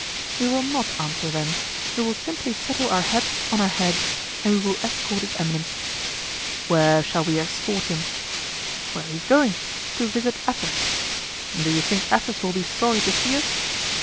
"We will not answer, then; we will simply settle our hats on our heads and we will escort his eminence." "Where shall we escort him?" "Where he is going—to visit Athos. Do you think Athos will be sorry to see us?"